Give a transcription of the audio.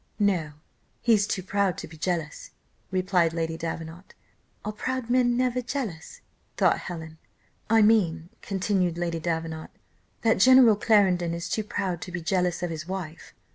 "No: he's too proud to be jealous," replied Lady Davenant. Are proud men never jealous? thought Helen. "I mean," continued Lady Davenant, "that General Clarendon is too proud to be jealous of his wife.